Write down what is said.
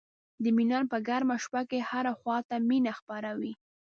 د میلان په ګرمه شپه کې هره خوا ته مینه خپره وي.